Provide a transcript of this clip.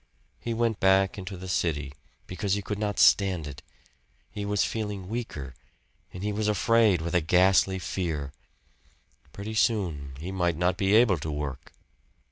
He went back into the city, because he could not stand it. He was feeling weaker, and he was afraid with a ghastly fear. Pretty soon he might not be able to work!